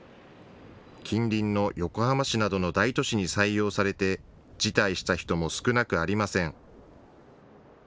近隣の横浜市などの大都市に採用されて辞退した人も少なくありません。